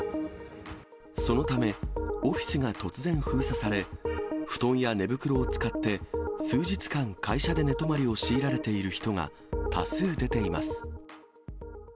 そのため、オフィスが突然封鎖され、布団や寝袋を使って、数日間、会社で寝泊まりを強いられている人が多数出ています。